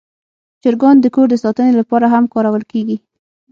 چرګان د کور د ساتنې لپاره هم کارول کېږي.